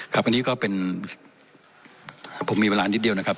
ครับอันนี้ก็เป็นผมมีเวลานิดเดียวนะครับ